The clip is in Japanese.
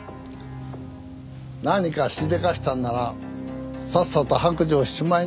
何かしでかしたんならさっさと白状しちまいな。